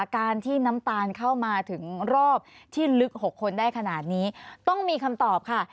การที่น้ำตาลเข้ามาถึงรอบที่ลึก๖คนได้ขนาดนี้ต้องมีคำตอบค่ะ